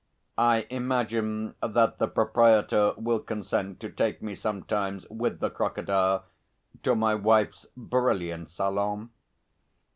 I imagine that the proprietor will consent to take me sometimes with the crocodile to my wife's brilliant salon.